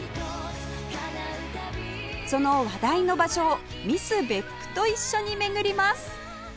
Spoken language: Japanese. その話題の場所をミス別府と一緒に巡ります